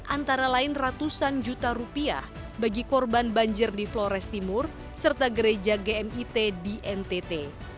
antara lain ratusan juta rupiah bagi korban banjir di flores timur serta gereja gmit di ntt